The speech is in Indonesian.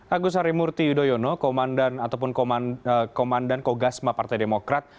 agus harimurti yudhoyono ataupun komandan kogasma partai demokrat